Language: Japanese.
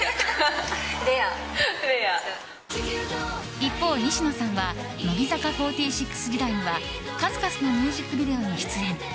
一方、西野さんは乃木坂４６時代には数々のミュージックビデオに出演。